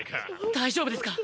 大丈夫ですか？